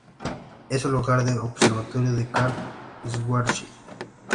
Es el hogar del Observatorio de Karl Schwarzschild.